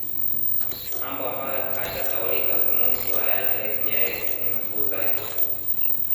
Mambo ambayo hayatasahaulika kumuhusu Hayati rais Nyerere ni nukuu zake